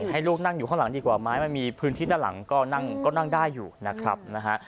ให้ลูกนั่งอยู่ข้างหลังดีกว่าไม่มีพื้นที่ด้านหลังก็นั่งได้อยู่นะครับ